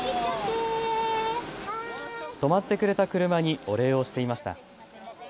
止まってくれた車にお礼をしていました。